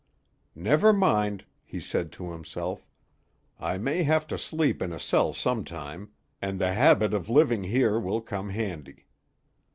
"Never mind," he said to himself, "I may have to sleep in a cell some time, and the habit of living here will come handy."